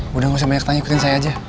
bunda gak usah banyak tanya ikutin saya aja